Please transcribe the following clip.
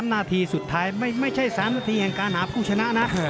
นาทีสุดท้ายไม่ใช่๓นาทีแห่งการหาผู้ชนะนะ